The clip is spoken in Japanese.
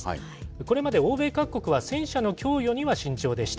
これまで欧米各国は戦車の供与には慎重でした。